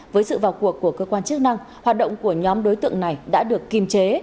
với sự vào cuộc của cơ quan chức năng hoạt động của nhóm đối tượng này đã được kiềm chế